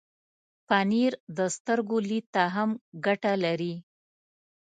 پنېر د سترګو لید ته هم ګټه لري.